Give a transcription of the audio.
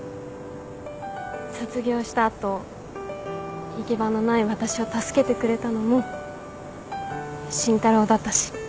卒業した後行き場のない私を助けてくれたのも慎太郎だったし。